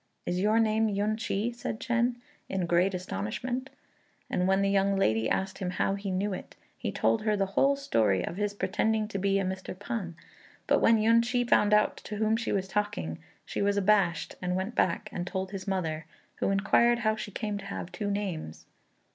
"Is your name Yün ch'i?" said Chên, in great astonishment; and when the young lady asked him how he knew it, he told her the whole story of his pretending to be a Mr. P'an. But when Yün ch'i found out to whom she was talking, she was abashed, and went back and told his mother, who inquired how she came to have two names.